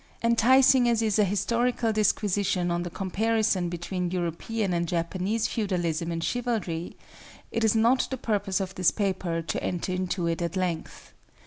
] Enticing as is a historical disquisition on the comparison between European and Japanese feudalism and chivalry, it is not the purpose of this paper to enter into it at length.